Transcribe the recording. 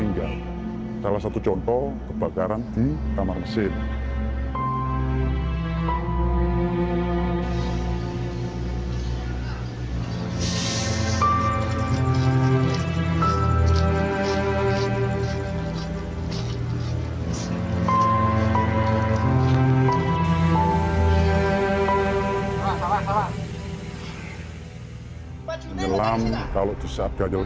dia terlihat pernah berbisa berbisa dan memang engkau tersengat hasta ini